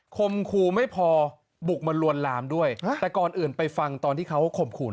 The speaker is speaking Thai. คมครูไม่พอบุกมาลวนลามด้วยแต่ก่อนอื่นไปฟังตอนที่เขาข่มขู่